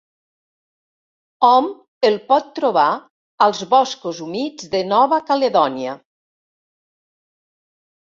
Hom el pot trobar als boscos humits de Nova Caledònia.